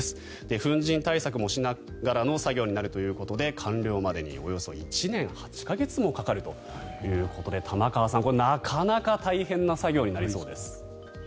粉じん対策もしながらの作業になるということで完了までにおよそ１年８か月もかかるということで玉川さん、なかなか大変な作業になりそうです。